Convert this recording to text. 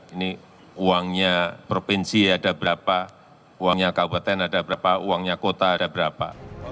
ini uangnya provinsi ada berapa uangnya kabupaten ada berapa uangnya kota ada berapa